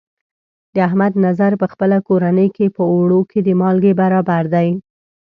د احمد نظر په خپله کورنۍ کې، په اوړو کې د مالګې برابر دی.